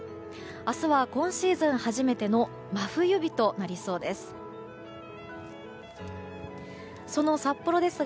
明日は今シーズン初めての真冬日となりそうです。